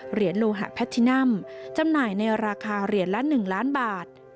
โลหะแพทินัมจำหน่ายในราคาเหรียญละ๑ล้านบาท